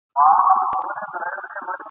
چي تر څو دا جهالت وي چي تر څو همدغه قام وي !.